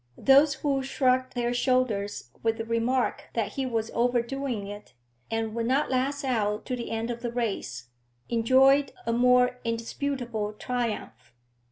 Those who shrugged their shoulders with the remark that he was overdoing it, and would not last out to the end of the race, enjoyed a more indisputable triumph.